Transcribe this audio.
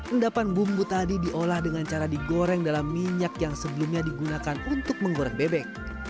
endapan bumbu tadi diolah dengan cara digoreng dalam minyak yang sebelumnya digunakan untuk menggoreng bebek